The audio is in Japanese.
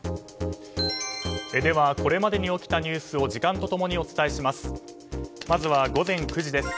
これまでに起きたニュースを時間と共にお伝えします。